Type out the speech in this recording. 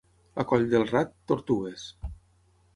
A Colldelrat, tortugues.